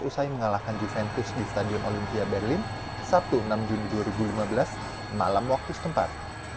usai mengalahkan juventush di stadion olimpia berlin sabtu enam juni dua ribu lima belas malam waktu setempat